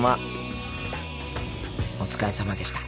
お疲れさまでした。